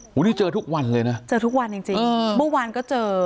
วันนี้เจอทุกวันเลยนะเจอทุกวันจริงจริงเมื่อวานก็เจอ